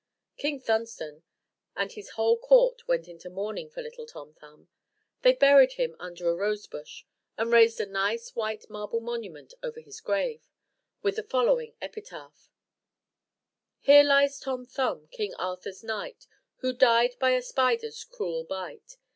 King Thunstone and his whole court went into mourning for little Tom Thumb. They buried him under a rosebush, and raised a nice white marble monument over his grave, with the following epitaph: "Here lies Tom Thumb, King Arthur's knight, Who died by a spider's cruel bite.